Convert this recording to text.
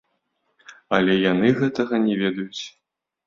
Але яны гэтага не ведаюць.